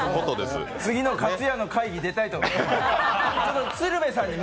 次のかつやの会議、出たいと思います。